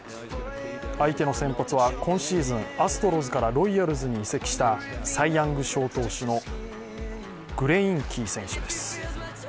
相手の先発は今シーズンアストロズからロイヤルズに移籍したサイ・ヤング賞投手のグレインキー選手です。